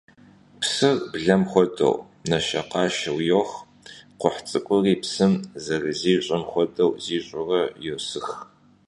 Псыр, блэм хуэдэу, нэшэкъашэу йох, кхъухь цӀыкӀури, псым зэрызищӀым хуэдэу зищӀурэ, йосых.